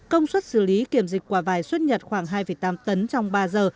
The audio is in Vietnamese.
công suất xử lý kiểm dịch quả vải xuất nhật khoảng hai tám tấn trong ba giờ